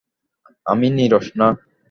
আমি নীরস না?